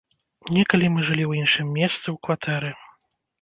Некалі мы жылі ў іншым месцы, у кватэры.